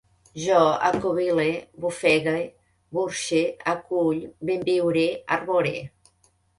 Jo acovile, bofegue, burxe, acull, benviure, arbore